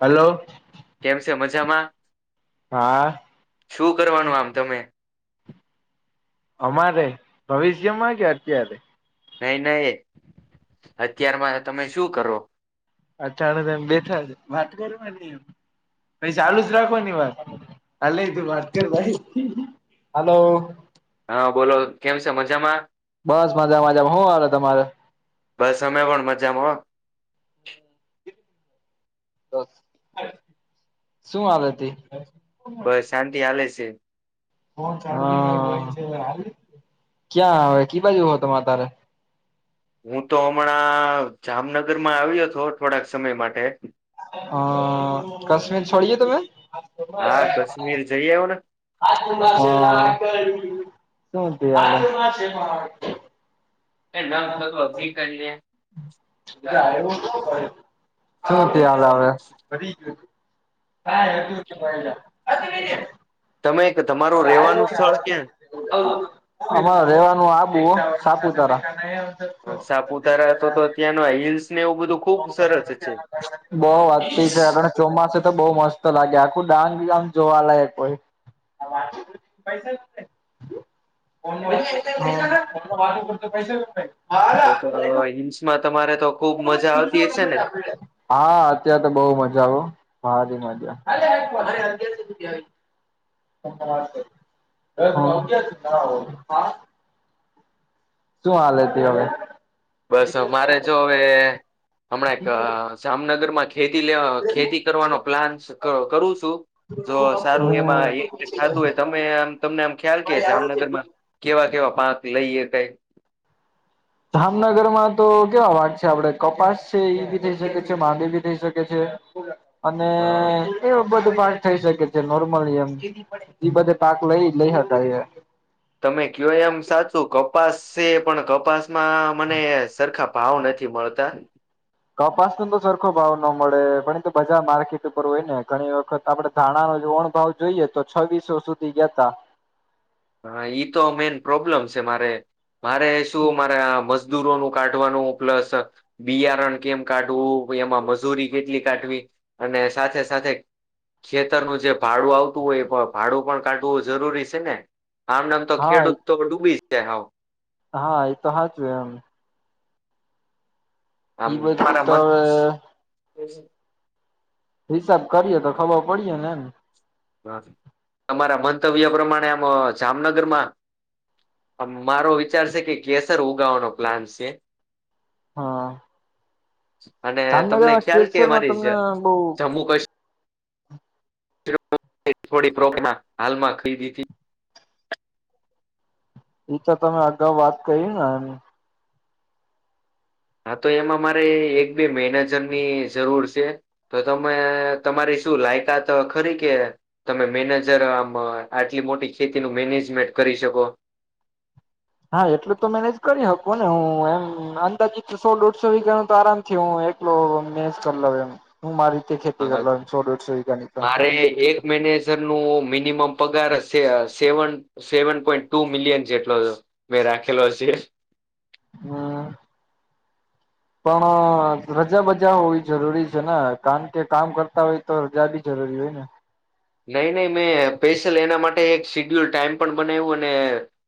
Hello. કેમ છે મઝમાં? હા. છું કરવાનું આમ તમે? અમારે ભવિષ્યમાં કે અત્યારે? નઈ નઈ, અત્યારમાં તમે શું કરો? અતાને ત આમ બેઠા છે વાત કરવાની, એમ ચાલુ જ રાખવાની વાત. અલની તું વાત કર ભાઈ, હાલો. હા બોલો કેમ છે મજામાં? બસ મજામાંજામાં હું આવે તમારે? બસ અમે પણ મજામાં હ. શું આવે તી? બસ શાંતિ આલે છે. હ ક્યાં આવે કી બાજુ હો તમે તારે? હું તો અમણાં જામનગરમાં આવ્યો તો થોડાક સમય માટે. અ કશ્મીર છોડીએ તમે? હા કશ્મીર જઈ આવ ને હ શું ત્યારે? [unintelligible] શું ચાલે અવે? [unintelligible] તમે ક તમારું રેવાનું સ્થળ ક્યાં? અમારે રેવાનું આબુ હો સાપુતારા. સાપુતારા તો ત્યાંનો હિલ્લ્સ ને એવું બધું. ખુબ સરસ છે બો વાત થઈ છે આપણે. ચોમાસે તો બઉ મસ્ત લાગે આખું ડાંગ બ આમ જોવાલાયક હોય. પૈસા [unintelligible] [inaudible] [unintelligible] એ તો હિલ્સમાં તમારે તો ખુબ મજા આવતી હસે ને? હા અત્યારે તો બઉ મજા આવે હો ભારી મજા. ના [unintelligible] શું હલે હતી હવ બસ અમારે જો હવે હમણાં એક જામનગરમાં ખેતી લેવા ખેતી કરવાનો પ્લાન કરું છું. જો સારું એમાં હમ એક થતું હોય તમે આમ તમને આમ ખ્યાલ કે જામનગરમાં કેવા કેવા પાક લઈ શકાય. જામનગર માં તો કેવા પાક છે આપડે કપાસ છે ઈ ભી થઈ શકે છે માંડવી ભી થઈ શકે છે. અને હા એ બધું પાક થઈ શકે છે નોર્મલી એમ એ બધા પાક લઈ શકાય છે. તમે કયો એમ સાચું કપાસ છે પણ કપાસમાં મને સરખા ભાવ નથી મળતા. કપાસ નો તો સરખો ભાવ નો મળે પણ ઈતો બજાર માર્કેટ ઉપર હોય ને ઘણી વખત આપડે ધાણા નો ઓણ ભાવ જોઈએ તો છવીસો સુધી ગયાતા. હા ઈ તો મેઈન પ્રોબ્લેમ છે મારે, મારે શું મારા મ જદૂરોનું કાઢવાનું પ્લસ બિયારણ કેમ કાઢવું પહિ એમાં મજૂરી કેટલી કાઢવી અને સાથે સાથે ખેતરનું જે ભાડું આવતું હોય એ પણ ભાડું પણ કાઢવું જરૂરી છે ને. આમને આમ તો હા ખેડૂત તો ડૂબી જ જાય સાવ. હા એ તો સાચુ એમ. આમ ઈ બધું તમારા તો મત હવે હિસાબ કરીએ તો ખબર પડીએ ને એમ. તમારા મંતવ્ય પ્રમાણે આમ જામનગરમાં અમ મારો વિચાર છે કે કેસર ઉગાવાનો પ્લાન છે. હા. અને તમને જામનગરમાં ખ્યાલ કે કેસરમાં મારી તમને બઉ જમ્મુ કશ્મીર થોડી બ્રોક માં હાલમાં ખરીદી તે [unintelligible] ઈ તો તમે અગાઉ વાત કરી ને એમ હા તો એમાં મારે એક બે મેનેજર ની જરૂર છે. તો તમે તમારી શું લાયકાત ખરી કે તમે મેનેજર આમ આટલી મોટી ખેતીનું મેનેજમેન્ટ કરી શકો? હા એટલું તો મેનેજ કરી હકું ને હું એમ અંદાજ સો દોઢસો વીધા નુ તો આરામ થી હું એકલો મેનેજ કરી લવ હું મારી રીતે અ, ખેતી કરી લવ સો દોઢસો વીધાની તો. મેનેજર નું મિનિમ પગાર seven seven point two million જેટલો મેં રાખેલો છે. હમમ. [inaudible] પણ રજા બજા હોવી જરૂરી છે ને કારણ કે કામ કરતા હોય તો રજા બી જરૂરી હોય ને. નહી નહી મેં સ્પેશિયલ એના માટે એક શીડ્યુલ ટાઈમ પણ બનાવ્યો ને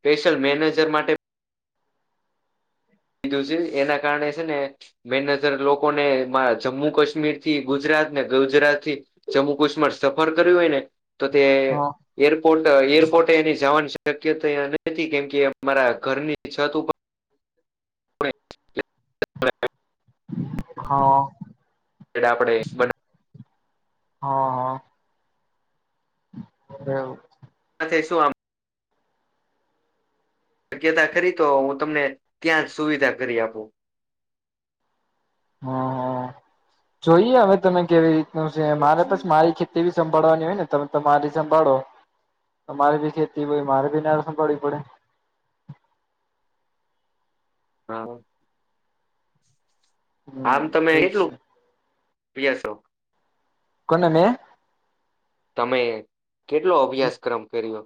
સ્પેશિયલ મેનેજર માટે કીધું છે એના કારણે છે ને મેનજર લોકો ને એમાં જમ્મુ કાશ્મીર થી ગુજરાત ને ગુજરાત થી જમ્મુ કાશ્મીર સફર કરયો હોય ને તો તે હા એરપોર્ટ એરપોર્ટે એની જવાની શક્યતા નથી કેમ કે મારા ઘરની છત ઉપર [inaudible] હા. એટલે આપડે હસબડ હા આ. એવુ હા તે શું આમ શક્યતા ખરી તો હું તમને ત્યાં જ સુવિધા કરી આપું. હમમ જોઈએ હવે તમે કેવી રીતનું છે મારે પસ મારી ખેત ખેતી બી સંભાળવાની હોય ને તમે તમારી સંભાળો. તમારે બી ખેતી હોય મારે બી ના સંભાડવી પડે. હાવો. આમ તો મે હમ એજ કીધું [unintelligible] કોણ મે તમે કેટલો અભ્યાસક્રમ કર્યો?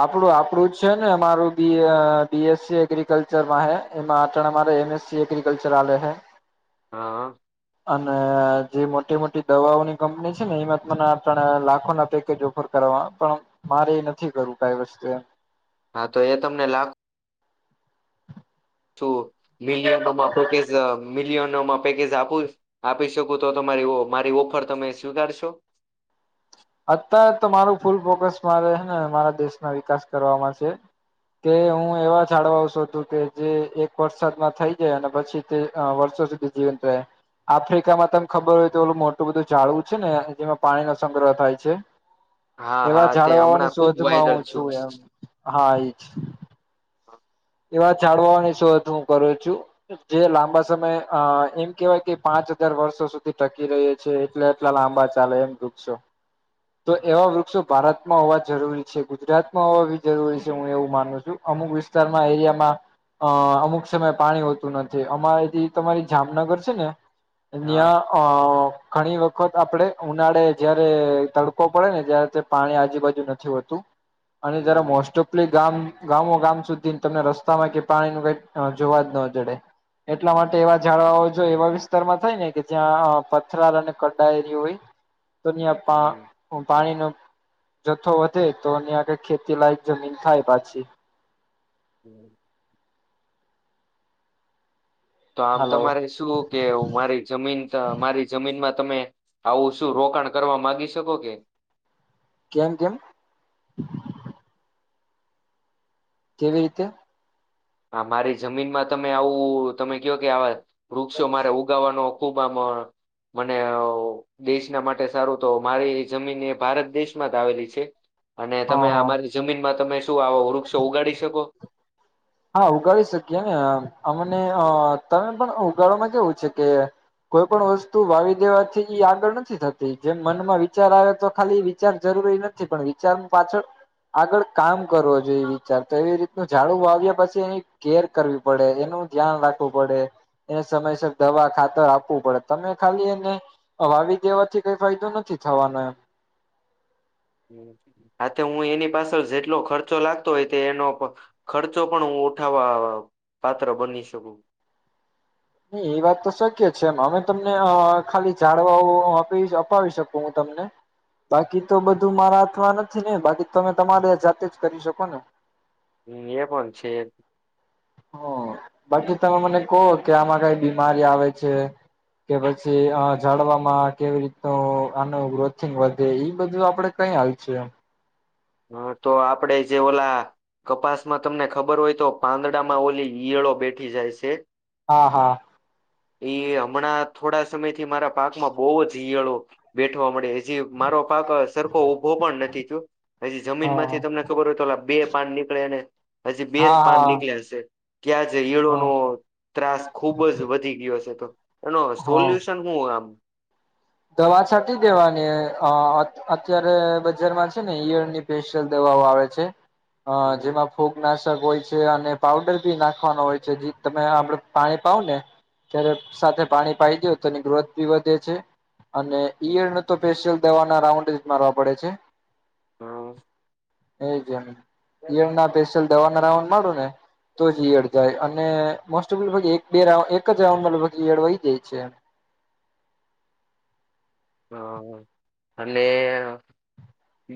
આપડું આપડું જ છે ને અમારું બી બીએસસી એગ્રીકલ્ચર માં હે. એમાં અટાણે અમારે એમએસસી એગ્રીિકલ્ચર હાલે હે. હા. અને જે મોટી-મોટી દવાઓની કંપની છે ને એમાં તને ત્ર લાખો ના પેકેજ ઉપર. કરવા પણ મારે એ નથી કરવું કઈ વસ્તુ એમ. હા તો એ તમને લાગ છુ મિલિયનમાં કે મિલિયનમ પેકેજ આપુ આપી શકું તો તમારી મારી ઓફર તમે સ્વીકારશો. અત્યારે તો મારું ફૂલ ફોકસ મારે હને મારા દેશના વિકાસ કરવામાં છે. કે હું એવા જાડવાઓ શોધું કે જે એક વરસાદમાં થઈ જાય અને પછી તે અ વર્ષો સુધી જીવનંત રેય. આફ્રિકામાં તને ખબર હોય તો ઓલું મોટું બધું ઝાડું છે ને જેમાં પાણી નો સંગ્રહ થાય છે. હા એવા હા તે હમણાં જાડવાઓની ખુબ શોધમાં વાયરલ હું છું એમ હા એ જ. એવા ઝાડવાઓની શોધ હું કરું છું. જે લાંબા સમય અ એમ કેવાય કે પાંચ હજાર વર્ષો સુધી ટકી રહે. છે એટલે એટલા લાંબા ચાલે એમ વૃક્ષો. [inaudible] તો એવા વૃક્ષો ભારતમાં હોવા જરૂરી છે. ગુજરાતમાં હોવા બી જરૂરી છે હું એવું માનું છું અમુક વિસ્તારમાં એરિયામાં. અ અમુક સમય પાણી હોતું નથી અમા ઇ જે તમારી જામનગર છે ને. હા ન્યાં અ ઘણી વખત આપડે ઉનાળે જયારે તડકો પડે ને જય્યારે તે પાણી આજુબાજુ નથી હોતું. અને જયારે હમ મોસ્ટ ઓફલી ગામ ગામો ગામ સુધી. તમને રસ્તામાં કે પાણી ન કઈ જોવા જ ન જડે. એટલા માટે એવા જાડવાઓ જો એવા વિસ્તારમાં થાય ને કે જ્યાં પથરાલ અને કડા એરીઓ હોય. [inaudible] તો ન્યાં પા હું પાણીનો જથ્થો વધે તો ન્યાં કઈ ખેતી લાયક જમીન થાય પાછી. હમ્મ. તો આમ હલો તમારે શું કે મારી જમીન મારી જમીનમાં તમે આવું શું રોકાણ કરવા માંગી શકો કે. કેમ-કેમ. કેવી રીતે. અમારી જમીનમાં તમે આવું તમે કયો કે આવા વૃક્ષો મારે ઉગાવાનો ખુબ આમ મને દેશના માટે સારું તો મારી જમીન એ ભારત દેશમાં જ આવેલી છે. અને હા તમે આ હા મારી જમીનમાં તમે શું આો વૃક્ષો ઉગાડી શકો? હા ઉગાડી શકીએ ને અમને તમે પણ ઉગાડવામાં કેવું છે કે કોઈ પણ વસ્તુ વાવી દેવાથી ઇ આગળ નથી થતી જેમ મનમાં વિચાર આવે તો ખાલી વિચાર જરૂરી નથી. નથી પણ વિચાર પાછળ આગળ કામ કરવું જોઈએ વિચાર તો એવી રીતનું ઝાડું વાવ્યા પછી એની કેર કરવી પડે એનું ધ્યાન રાખવું પડે. એને સમયસર દવા ખાતર આપવું પડે તમે ખાલી એને આ વાવી દેવાથી કઈ ફાયદો નથી થવાનો એમ. હમ્મ. હા તો હું એની પાછળ જેટલો ખર્ચો લાગતો હોય તે એનો ખર્ચો પણ હું ઉઠાવવા પાત્ર બની શકું. નહી એ વાત તો શક્ય છે એમ અમે તમને અ ખાલી જાડવાઓ અપાવી શકું હું તમને. બાકી તો બધું મારા હાથમાં નથી ને બાકી તમે તમારે જાતે જ કરી શકો ને. હ એ પણ છે. હ બાકી તમે મને કહો કે આમાં કઈ બીમારી આવે છે. કે પછી આ જાળવામાં કેવી રીતનું આનું ગ્રોથિંગ વધે એ બધું આપડે કઈ હાલ છેમ? હા તો આપડે જે ઓલા કપાસમાં તમને ખબર હોય તો પાંદડામાં ઓલી યળો બેઠી જાય છે. હા હા. એ હમણાં થોડા સમય થી મારા પાકમાં બહુ જ હિયળો. બેઠવા મળે હજી મારો પાક સરખો ઉભો પણ નથી તું. હજી જમીન હા માંથી તમને ખબર હોય તો બે પાન નીકળેને હજી બે જ હા પાન હા નીકળ્યા હશે. ત્યાંજ હીળો હા ન ત્રાસ ખુબ જ વધી ગયો છે તો એનો હા સોલ્યુશન હું આમ દવા છાતી દેવાની અત્યારે બજારમાં છે ને ઈયર ની સ્પેશિયલ દેવાઓ આવે છે, અ જેમાં ફોગ નાશ હોય છે અને પાવડર ભી નાખવાનો હોય છે જે તમે આપડ પાણી પાાવ ને. ત્યારે સાથે પાણી પાઇ દવ તો એની ગ્રોથ બી વધે છે. અને ઈયર ન તો ફેશિયલ દવાના રાઉન્ડ જ મારવા પડે છે. હા. એજમ ળ નાેશિયલ દવા નાઉ માંડો ને. તો જ યડ જાય અને મોસ્ટ ઓફ લગભગ બે રાઉન્ એક જ રાઉન્ડ લગભગ યડ વહી જાય છે. હા, અને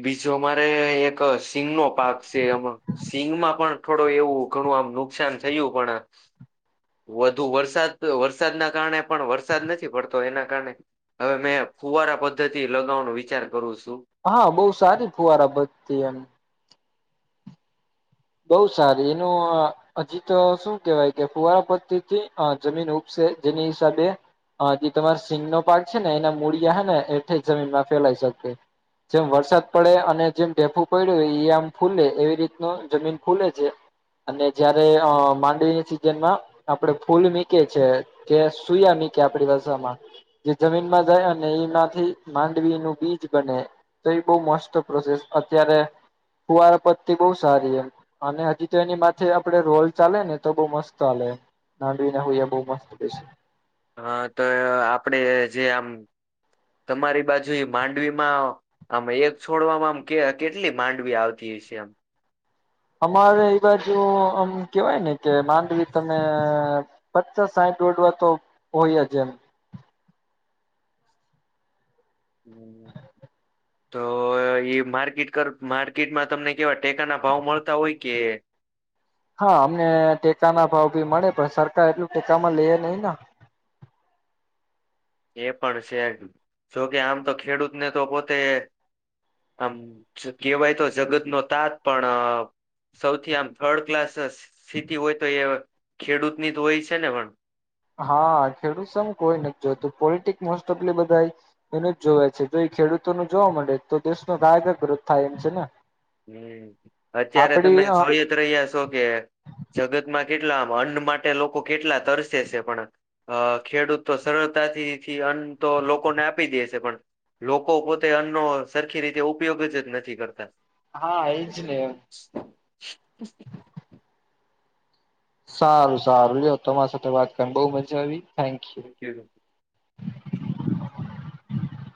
બીજો અમારે એક સિંગ નો પાક છે એમાં. સિંગમાં પણ થોડું એવું ઘણું આમ નુકસાન થયું પણ. વધુ વરસાદ વરસાદના કારણે પણ વરસાદ નથી પડતો એના કારણે. હવે મેં ફુવારા પદ્ધતિ લગાવવાનો વિચાર કરું છું. હા બહુ સારી ફુવારા બધતી એમ. બહુ સારી એનું હજી તો શું કેવાય કે ફુવારા પતીથી જમીન ઉપસે જેની હિસાબે હ જે તમાર સિંગ નો પાક છે ને એના મૂળિયા હ ને એઠ જમીન માં ફેલાઈ શકે. જેમ વરસાદ પડે અને જેમ ટેેફુ પડ્યું ઈ આમ ફૂલે એવી રીતનું જમીન ખુલે છે, અને જયારે માંડવીની સિઝન માં આપડે ફૂલ મીકે છે કે સુયા મીકે આપડી ભસાામાં. જે જમીનમાં જાય અને એમાંથી માંડવી નું બીજ બને. તો એ બહુ મસ્ત પ્રોસેસ અત્યારે, કુવાર પત્તી બહુ સારી એમ. અને હજી તો એની માથે આપડે રોલ ચાલે ને તો બઉ મસ્ત ચાલે. નાડવી ના હો બહુ મસ્ત પ છે. હા તો આપડે જે આમ તમારી બાજુ માંડવીમાં આમે એક છોડવામાં આમ કે કેટલી માંડવી આવતી હય છે આમ. અમારે એ બાજુ આમ કેવાય ને કે માંડવી તમે પચ સાંઠ દોડવા તો હોયજ એમ. હમ. તો એ માર્કેટ કર માર્કેટમાં તમને કેવા ટેકાના ભાવ મળતા હોય કે હા અમને ટેકા ના ભાવ ભી મળે પણ સરકાર એટલું ટેકામાં લઈએ નહી. એ પણ છે જોકે આમ તો ખેડૂતને તો પોતે આમ કહેવાય તો જગત નો તાત પણ સૌથી આમ થર્ડ ક્લાસ સ્થિતિ હોય તો એ ખેડૂતની જ હોય છે ને પણ હા ખેડૂત સમ કોઈ નથી જોતું પોલિટિકસ મોસ્ટ ઓફ બધા એ એનું જ જોવે છે જો એ ખેડૂતો નું જોવા માડે તો દેશનો કાયધર્રોધ થાય છે ને. મે અત્યારે આપડી તમે જોઈ જ રહ્યા છો કે જગતમાં કેટલા આમ અન્ન માટે લોકો કેટલા તરસે છે પણ અ ખેડૂત તો સરળતાથી થી અન્ન તો લોકોને આપી દે છે પણ લોકો પોતે અન્ન નો સરખી રીતે ઉપયોગ જ નથી કરતા. હા એ જ ને. [unintelligible] સારું સારું લિયો તમારી સાથે વાત કરીને બો મજા આવી થેન્ક યુ. ક્યારે